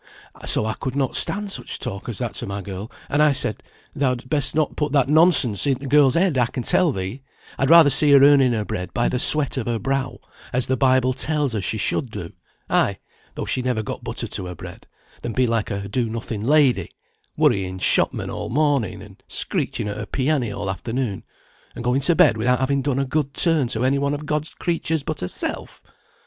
So I could not stand such talk as that to my girl, and I said, 'Thou'd best not put that nonsense i' the girl's head I can tell thee; I'd rather see her earning her bread by the sweat of her brow, as the Bible tells her she should do, ay, though she never got butter to her bread, than be like a do nothing lady, worrying shopmen all morning, and screeching at her pianny all afternoon, and going to bed without having done a good turn to any one of God's creatures but herself.'"